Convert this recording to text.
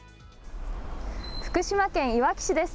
福島県いわき市です。